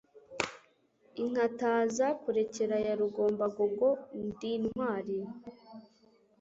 Inkataza kurekera ya Rugombangogo ndi intwali,